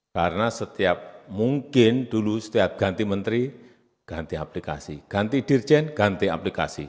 karena setiap mungkin dulu setiap ganti menteri ganti aplikasi ganti dirjen ganti aplikasi